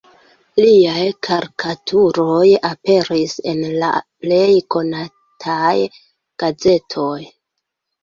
Liaj karikaturoj aperis en la plej konataj gazetoj.